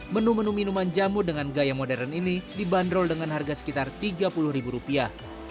menu menu minuman jamu dengan gaya modern ini dibanderol dengan harga sekitar tiga puluh ribu rupiah